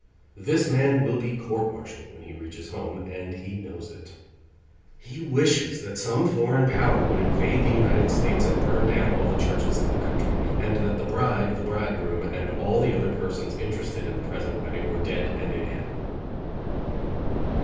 This man will be courtmartialed when he reaches home, and he knows it. He wishes that some foreign power would invade the United States and burn down all the churches in the country, and that the bride, the bridegroom and all the other persons interested in the present wedding were dead and in hell.